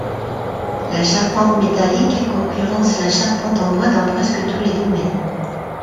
La charpente métallique concurrence la charpente en bois dans presque tous les domaines.